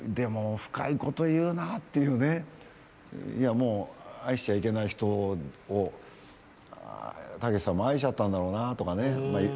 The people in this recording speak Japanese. もう愛しちゃいけない人をたけしさんも愛しちゃったんだろうなとかね。